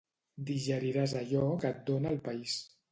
Digeriràs allò que et dóna el país.